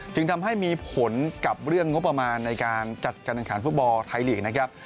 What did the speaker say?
จึงทำให้มีผลกับเรื่องงบประมาณในการจัดการแข่งขันฟุตบอลไทยลีกนะครับ